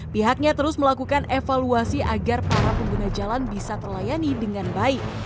pihaknya terus melakukan evaluasi agar para pengguna jalan bisa terlayani dengan baik